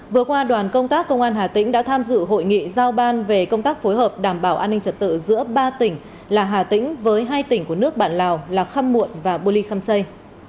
vừa qua đoàn công tác công an hà tĩnh đã tham dự hội nghị giao ban về công tác phối hợp đảm bảo an ninh trật tự giữa ba tỉnh là hà tĩnh với hai tỉnh của nước bạn lào là khăm muộn và bô ly khăm xây